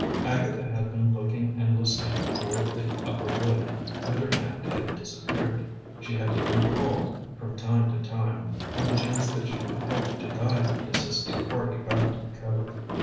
Agatha had been looking and listening toward the upper wood, whither Hand had disappeared. She had even called, from time to time, on the chance that she could help to guide the assisting party back to the cove.